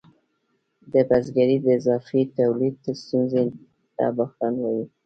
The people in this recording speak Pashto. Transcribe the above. د بزګرۍ د اضافي تولید ستونزې ته بحران وايي